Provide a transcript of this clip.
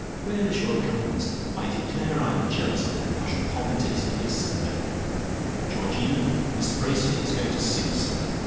Where is your accompanist? I declare I am jealous of him: I shall pop into his place some day! Georgino, Miss Bracely is going to sing us something.